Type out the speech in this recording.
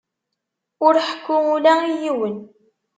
Ur ḥekku ula i yiwen!